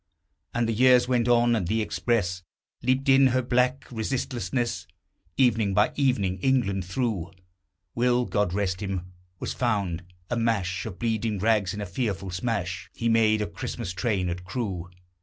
And the years went on, and the express Leaped in her black resistlessness, Evening by evening, England through. Will God rest him! was found a mash Of bleeding rags, in a fearful smash He made of Christmas train at Crewe.